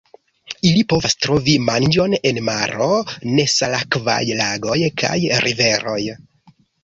Ili povas trovi manĝon en maro, nesalakvaj lagoj kaj riveroj.